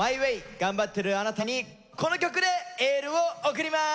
頑張ってるあなたにこの曲でエールを送ります！